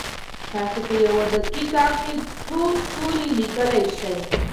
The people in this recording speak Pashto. تاسو په یوه دقیقه کي څو توري لیکلی سئ؟